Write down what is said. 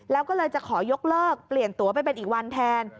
แล้วก็เลยจะขอยกเลิกเปลี่ยนตัวไปเป็นอีกวันแทน